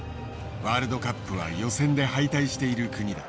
ワールドカップは予選で敗退している国だ。